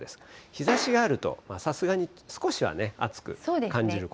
日ざしがあるとさすがに少しはね、暑く感じることも。